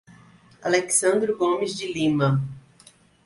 Alexsandro Gomes de Lima